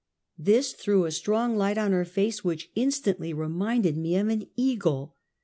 This threw a strong light on her face, which instantly reminded me of an eagle.